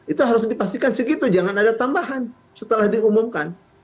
itu harus dipastikan segitu jangan ada tambahan setelah diumumkan